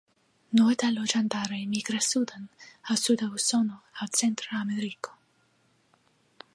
Nordaj loĝantaroj migras suden al suda Usono aŭ Centra Ameriko.